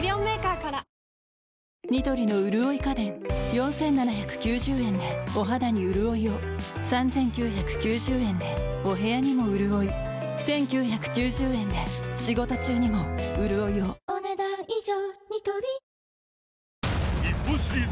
４，７９０円でお肌にうるおいを３，９９０円でお部屋にもうるおい１，９９０円で仕事中にもうるおいをお、ねだん以上。